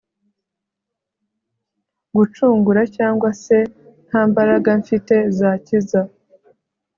gucungura cyangwa se nta mbaraga mfite zakiza